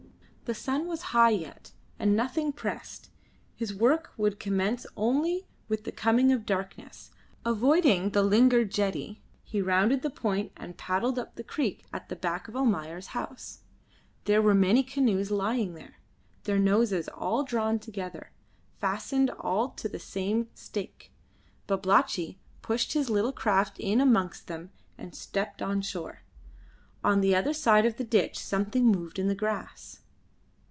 The sun was high yet, and nothing pressed. His work would commence only with the coming of darkness. Avoiding the Lingard jetty, he rounded the point, and paddled up the creek at the back of Almayer's house. There were many canoes lying there, their noses all drawn together, fastened all to the same stake. Babalatchi pushed his little craft in amongst them and stepped on shore. On the other side of the ditch something moved in the grass.